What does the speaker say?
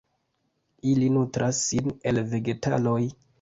Ili nutras sin el vegetaloj.